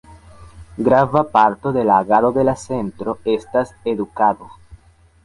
Grava parto de la agado de la Centro estas edukado.